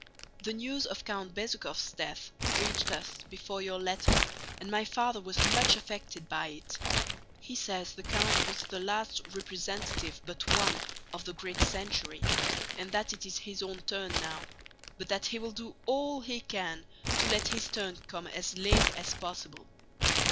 The news of Count Bezúkhov's death reached us before your letter and my father was much affected by it. He says the count was the last representative but one of the great century, and that it is his own turn now, but that he will do all he can to let his turn come as late as possible.